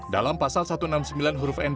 dalam pasal satu ratus enam puluh sembilan huruf n